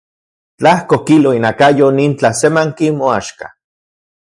Tlajko kilo inakayo nin tlasemanki moaxka.